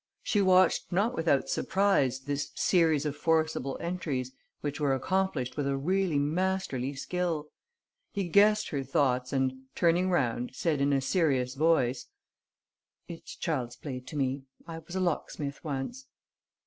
She watched not without surprise this series of forcible entries, which were accomplished with a really masterly skill. He guessed her thoughts and, turning round, said in a serious voice: "It's child's play to me. I was a locksmith once."